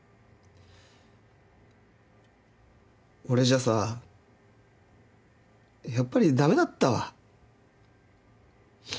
俺じゃさやっぱり駄目だったわ。